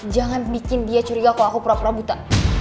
jangan bikin dia curiga kalau aku pura pura buta